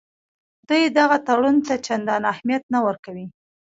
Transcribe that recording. دوی دغه تړون ته چندان اهمیت نه ورکوي.